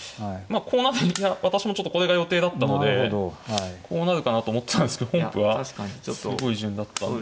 私もちょっとこれが予定だったのでこうなるかなと思ってたんですけど本譜はすごい順だった。